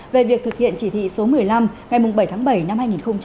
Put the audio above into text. về việc thực hiện chỉ thị số một mươi năm ngày bảy tháng bảy năm hai nghìn bảy